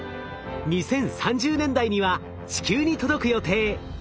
２０３０年代には地球に届く予定。